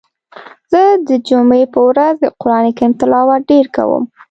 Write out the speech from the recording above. زه د جمعی په ورځ د قرآن کریم تلاوت ډیر کوم.